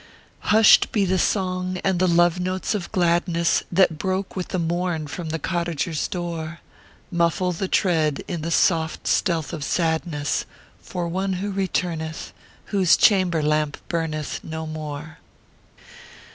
Hushed be the song and tho love notes of gladness That broke with the morn from tho cottager s door Muffle the tread in the soft stealth of sadness, For one who returneth, whose chamber lamp burneth No more.